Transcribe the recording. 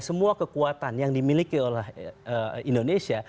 semua kekuatan yang dimiliki oleh indonesia